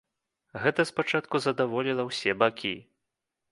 Гэта спачатку задаволіла ўсе бакі.